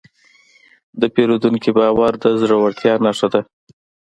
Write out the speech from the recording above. د پیرودونکي باور د زړورتیا نښه ده.